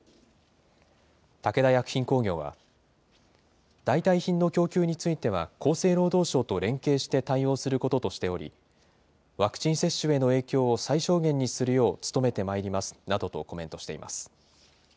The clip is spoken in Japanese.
武田薬品工業は、代替品の供給については、厚生労働省と連携して対応することとしており、ワクチン接種への影響を最小限にするよう努めてまいりますなどとコメントしています。